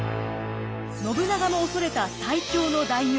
信長も恐れた最強の大名。